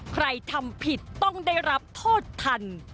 ใครทำผิดต้องได้รับโทษทัน